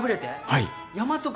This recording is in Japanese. はい。